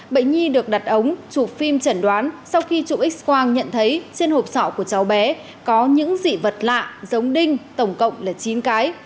bệnh nhi được đặt ống chụp phim chẩn đoán sau khi chụp x quang nhận thấy trên hộp sọ của cháu bé có những dị vật lạ giống đinh tổng cộng là chín cái